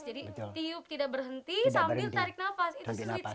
jadi tiup tidak berhenti sambil tarik napas